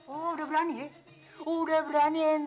udah berani ya udah berani ya